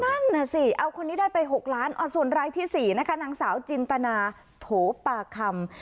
นั่นน่ะสิเอาคนนี้ได้ไป๖ล้านส่วนรายที่๔นะคะนางสาวจินตนาโถปาคำ